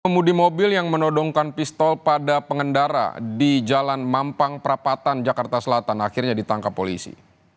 pemudi mobil yang menodongkan pistol pada pengendara di jalan mampang perapatan jakarta selatan akhirnya ditangkap polisi